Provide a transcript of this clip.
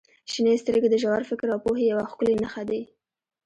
• شنې سترګې د ژور فکر او پوهې یوه ښکلې نښه دي.